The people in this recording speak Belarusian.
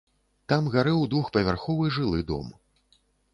Там гарэў двухпавярховы жылы дом.